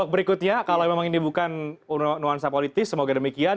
berikutnya kalau memang ini bukan nuansa politis semoga demikian